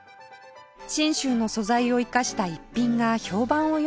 信州の素材を生かした逸品が評判を呼んでいます